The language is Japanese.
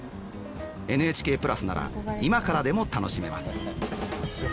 ＮＨＫプラスなら今からでも楽しめます。